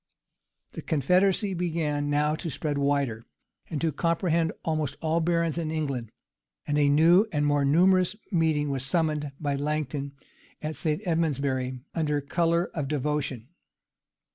] The confederacy began now to spread wider, and to comprehend almost all the barons in England; and a new and more numerous meeting was summoned by Langton at St. Edmondsbury, under color of devotion.